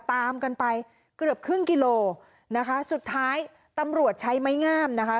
ตามกันไปเกือบครึ่งกิโลนะคะสุดท้ายตำรวจใช้ไม้งามนะคะ